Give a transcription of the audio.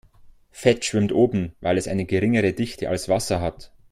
Fett schwimmt oben, weil es eine geringere Dichte als Wasser hat.